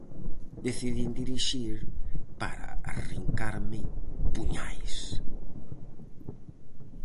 Decidín dirixir para arrincarme puñais.